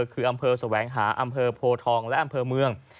คืออำเภอแสวงหาอำเภอโพทองและอำเภอเมือง